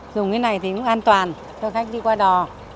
dùng cái này thì cũng an toàn cho khách đi qua đò